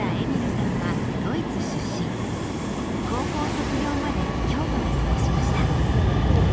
高校卒業まで京都で過ごしました。